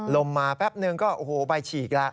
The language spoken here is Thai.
ลมมาแป๊บหนึ่งก็โอ้โหใบฉีกละ